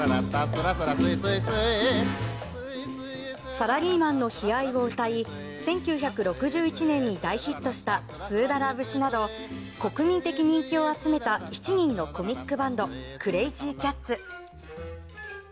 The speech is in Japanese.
サラリーマンの悲哀を歌い１９６１年に大ヒットした「スーダラ節」など国民的人気を集めた７人のコミックバンドクレイジーキャッツ。